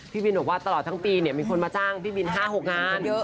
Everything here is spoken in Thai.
พี่บินบอกว่าตลอดทั้งปีมีคนมาจ้างพี่บิน๕๖งาน